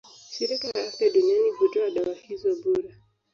Shirika la Afya Duniani hutoa dawa hizo bure.